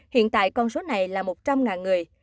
hiện tại con số này là một trăm linh người